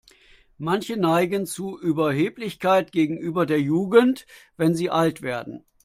Manche neigen zu Überheblichkeit gegenüber der Jugend, wenn sie alt werden.